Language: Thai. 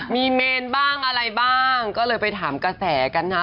มีเมนบ้างอะไรบ้างก็เลยไปถามกระแสกันนะ